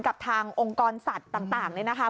กับทางองค์กรสัตว์ต่างเนี่ยนะคะ